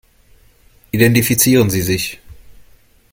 Identifizieren Sie sich.